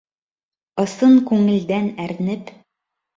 Ысын күңелдән әрнеп: